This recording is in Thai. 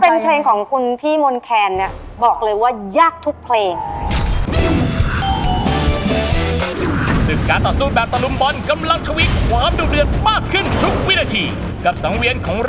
คือถ้าเป็นเพลงของคุณพี่มนต์แคนฅ่ะบอกเลยว่าหยากทุกเพลง